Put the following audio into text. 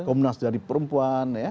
komnas dari perempuan